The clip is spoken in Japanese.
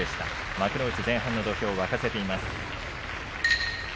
幕内前半の土俵を沸かせています。